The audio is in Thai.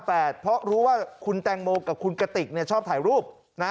เพราะรู้ว่าคุณแตงโมกับคุณกติกชอบถ่ายรูปนะ